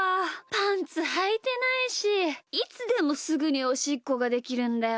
パンツはいてないしいつでもすぐにおしっこができるんだよなあ。